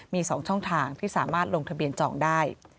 มี๒ช่องทางที่สามารถลงทะเบียนจองได้